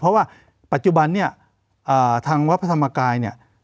เพราะว่าปัจจุบันนี้ทางวธมกาล